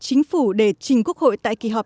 chính phủ để trình quốc hội tại kỳ họp